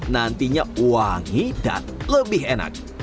nantinya wangi dan lebih enak